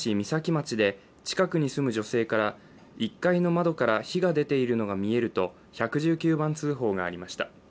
町で近くに住む女性から１階の窓から火が出ているのが見えると１１９番通報がありました。